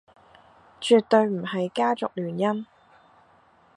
絕對唔係家族聯姻